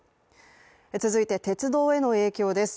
続いて、鉄道への影響です。